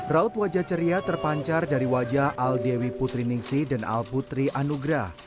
raut wajah ceria terpancar dari wajah al dewi putri ningsi dan al putri anugrah